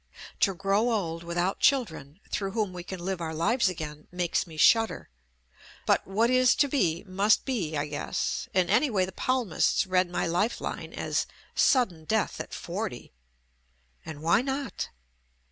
To grow old without children, through whom we can live our lives again, makes me shudder — but what is to be, must be I guess, and any way the palmists read my lifeline as "sudden death at forty" — and why not?